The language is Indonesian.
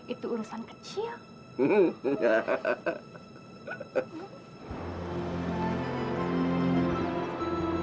itu urusan kecil